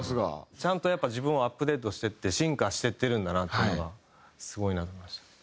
ちゃんとやっぱり自分をアップデートしていって進化していってるんだなっていうのがすごいなと思いました。